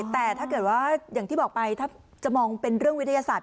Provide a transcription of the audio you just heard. แต่ถ้าเกิดว่าอย่างที่บอกไปถ้าจะมองเป็นเรื่องวิทยาศาสต